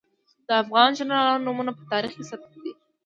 د افغان جنرالانو نومونه په تاریخ کې ثبت دي.